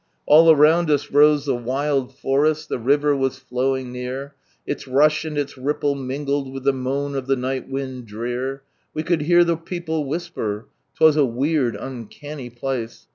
All around ns rose the wild forest, the river was flowing near. lis rush and its ripple mingled with the moan of the nit; ht wind drear. We eould hear (he people whisper ; 'twos a weird uncanny place.